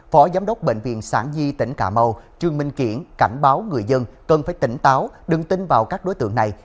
phó giám đốc bệnh viện sản di tỉnh cà mau trương minh kiển cảnh báo người dân cần phải tỉnh táo đừng tin vào các đối tượng này